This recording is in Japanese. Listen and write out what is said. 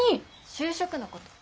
就職のこと。